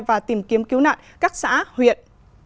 và tìm kiếm cứu nạn các xã huyện